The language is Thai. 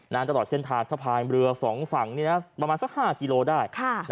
นะตลอดเส้นทางถ้าพายเรือสองฝั่งนี่นะประมาณสักห้ากิโลได้ค่ะ